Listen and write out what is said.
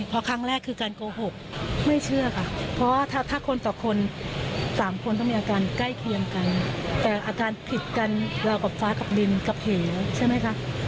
เพราะครั้งแรกคือการโกหกไม่เชื่อค่ะเพราะว่าถ้าคนต่อคน๓คนต้องมีอาการใกล้เคียงกันแต่อาการผิดกันเรากับฟ้ากับดินกับเหใช่ไหมคะ